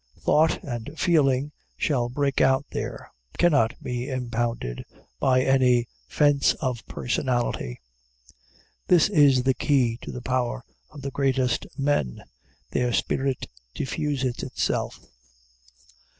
Thought and feeling, that break out there, cannot be impounded by any fence of personality. This is the key to the power of the greatest men their spirit diffuses itself.